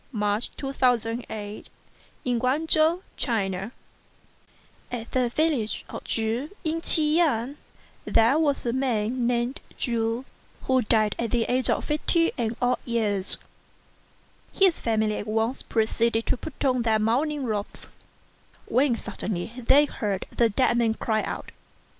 MR. CHU, THE CONSIDERATE HUSBAND AT the village of Chu in Chi yang, there was a man named Chu, who died at the age of fifty and odd years. His family at once proceeded to put on their mourning robes, when suddenly they heard the dead man cry out.